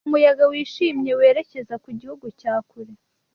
mu muyaga wishimye werekeza ku gihu cya kure